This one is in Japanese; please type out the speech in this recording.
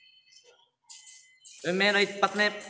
運命の１発目。